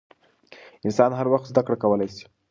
انسان هر وخت زدکړه کولای سي .